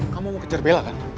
kamu mau kejar bela kan